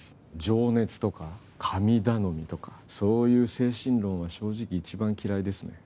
情熱とか神頼みとかそういう精神論は正直一番嫌いですね